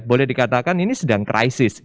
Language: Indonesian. boleh dikatakan ini sedang krisis